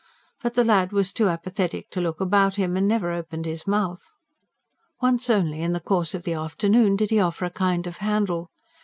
But the lad was too apathetic to look about him, and never opened his mouth. Once only in the course of the afternoon did he offer a kind of handle.